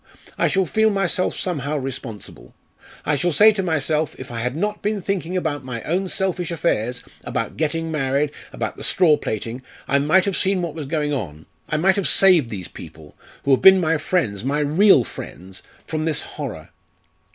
I shall feel myself somehow responsible. I shall say to myself, if I had not been thinking about my own selfish affairs about getting married about the straw plaiting I might have seen what was going on. I might have saved these people, who have been my friends my real friends from this horror."